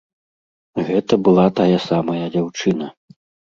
Гэта была тая самая дзяўчына.